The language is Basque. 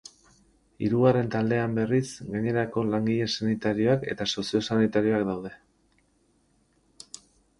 Hirugarren taldean, berriz, gainerako langile sanitarioak eta soziosanitarioak daude.